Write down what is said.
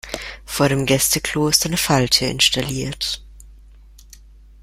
Vor dem Gäste-Klo ist eine Falltür installiert.